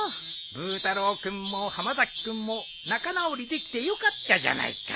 ブー太郎君も浜崎君も仲直りできてよかったじゃないか。